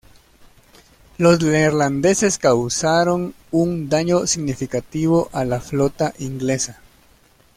Los neerlandeses causaron un daño significativo a la flota inglesa.